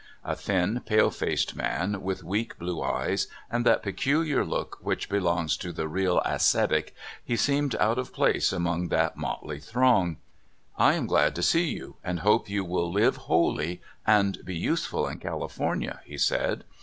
A thin, pale faced man, with weak blue eyes, and that peculiar look which belongs to the real ascetic, he seemed out of place among that motley throng. " I am glad to see 3'ou, and hope you will live holy and be useful in California" he said.